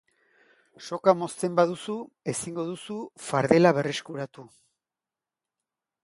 Soka mozten baduzu ezingo dugu fardela berreskuratu.